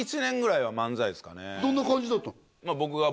どんな感じだったの？